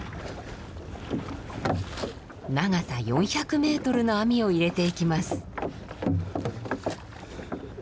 長さ４００ｍの網を入れていきます。